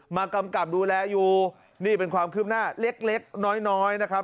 กำกับดูแลอยู่นี่เป็นความคืบหน้าเล็กเล็กน้อยน้อยนะครับ